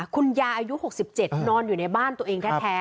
คุณยาอายุ๖๗นอนอยู่ในบ้านตัวเองแท้